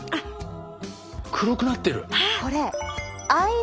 黒くなってる！